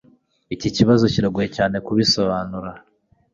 Iki kibazo kirangoye cyane kubisobanura.